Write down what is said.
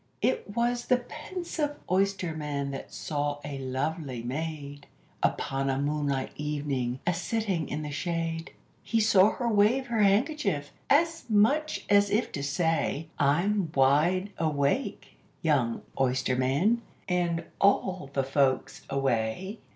It was the pensive oysterman that saw a lovely maid, Upon a moonlight evening, a sitting in the shade; He saw her wave her handkerchief, as much as if to say, "I'm wide awake, young oysterman, and all the folks away."